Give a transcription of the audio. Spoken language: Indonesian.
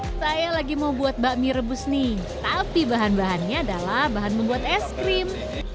hai saya lagi mau buat bakmi rebus nih tapi bahan bahannya adalah bahan membuat es krim